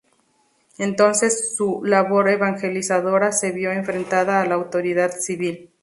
Entonces, su labor evangelizadora se vio enfrentada a la autoridad civil.